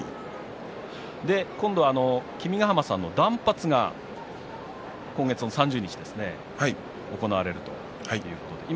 今度君ヶ濱さんの断髪式が今月の３０日ですね行われるということですね。